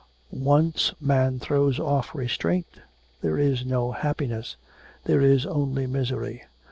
Once man throws off restraint there is no happiness, there is only misery.